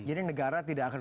jadi negara tidak akan